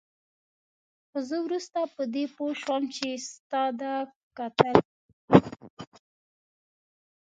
هو زه وروسته په دې هم پوه شوم چې ستا دا کتل.